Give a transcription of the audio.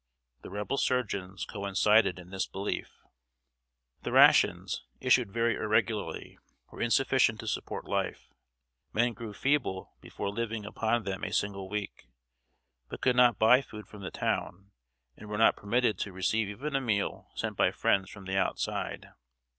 The Rebel surgeons coincided in this belief. The rations, issued very irregularly, were insufficient to support life. Men grew feeble before living upon them a single week; but could not buy food from the town; and were not permitted to receive even a meal sent by friends from the outside.